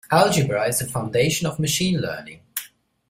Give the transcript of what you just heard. Algebra is a foundation of Machine Learning.